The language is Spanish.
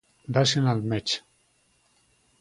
Rational Mech.